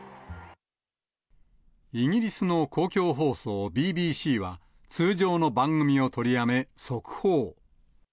イギリスの公共放送ＢＢＣは、通常の番組を取りやめ、速報。